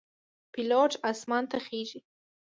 پیلوټ آسمان ته خیژي.